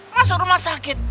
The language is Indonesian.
masuk rumah sakit